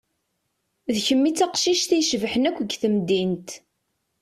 D kemm i d taqcict i icebḥen akk g temdint.